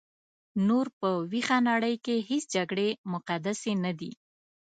نور په ویښه نړۍ کې هیڅ جګړې مقدسې نه دي.